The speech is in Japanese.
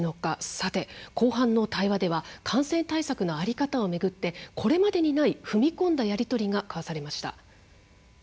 さて後半の対話では感染対策の在り方をめぐってこれまでにない踏み込んだやり取りが交わされました。